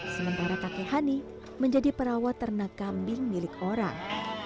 sementara kakek hani menjadi perawat ternak kambing milik orang